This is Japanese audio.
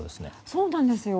そうなんですよ。